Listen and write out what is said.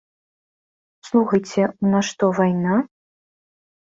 Слухайце, у нас што, вайна?